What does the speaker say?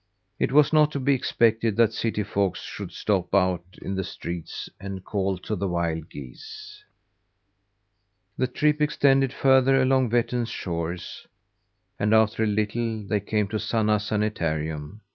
It was not to be expected that city folks should stop out in the streets, and call to the wild geese. The trip extended further along Vettern's shores; and after a little they came to Sanna Sanitarium.